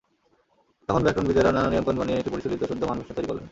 তখন ব্যাকরণবিদেরা নানা নিয়মকানুন বানিয়ে একটি পরিশীলিত শুদ্ধ মান ভাষা তৈরি করলেন।